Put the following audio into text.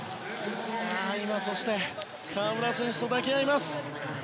そして、河村選手と抱き合いました。